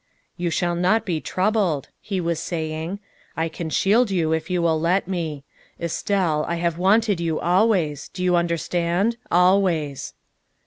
" You shall not be troubled," he was saying; " I can shield you if you will let me. Estelle, I have wanted you always, do you understand? always."